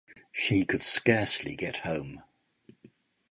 She could scarcely get home.